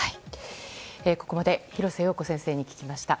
ここまで廣瀬陽子先生に聞きました。